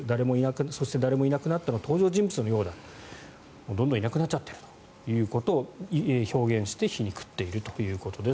「そして誰もいなくなった」の登場人物のようだどんどんいなくなっちゃっているということを表現して皮肉っているということです。